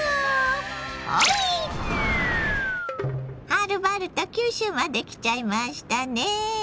はるばると九州まで来ちゃいましたね。